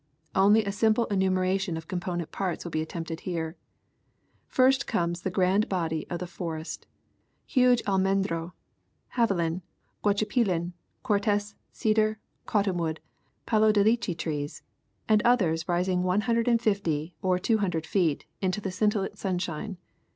Only a simple enumeration of component parts will be attempted here. First comes the grand body of the forest, huge almendro, havilan, guachipilin, cortez, cedar, cottonwood, palo de leche trees, and others rising one hundred and fifty or two hundred feet into the scintillant sunshine.